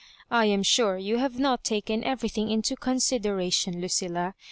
I am sure you have not taken everything into consideration, Lucilla.